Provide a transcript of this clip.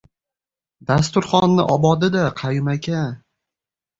— Dasturxonni obodi-da, Qayum aka.